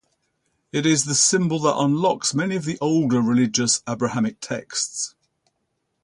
It is the symbol that unlocks many of the older religious Abrahamic texts.